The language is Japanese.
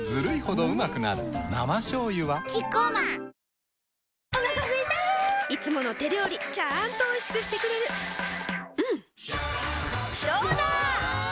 生しょうゆはキッコーマンお腹すいたいつもの手料理ちゃんとおいしくしてくれるジューうんどうだわ！